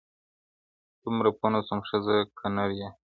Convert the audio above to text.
دومره پوه نه سوم ښځه که نر یې.